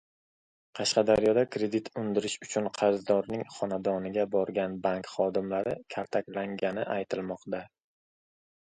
Qashqadaryoda kredit undirish uchun qarzdorning xonadoniga borgan bank xodimlari kaltaklangani aytilmoqda